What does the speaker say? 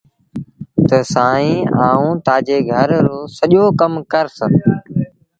تا سائيٚݩ آئوݩ تآجي گھر رو سڄو ڪم ڪرس